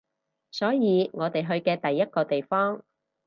所以我哋去嘅第一個地方